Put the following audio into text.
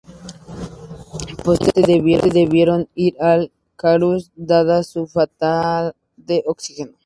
Posteriormente debieron ir al "Icarus I" dada su falta de oxígeno.